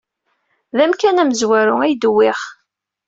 D amkan amezwaru ay d-wwiɣ.